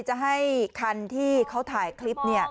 จะให้คันที่เขาถ่ายคลิป